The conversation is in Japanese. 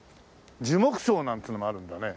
樹木葬なんていうのもあるんだね。